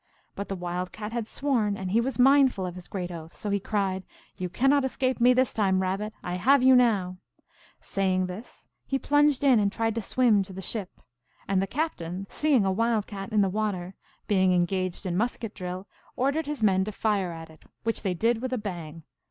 But the Wild Cat had sworn, and he was mindful of his great oath ; so he cried, " You cannot escape me this time, Rabbit ! I have you now !" Saying this he plunged in, and tried to swim to the ship. And the captain, seeing a Wild Cat in the water, being en gaged in musket drill, ordered his men to fire at it, 222 THE ALGONQUIN LEGENDS. which they did with a bang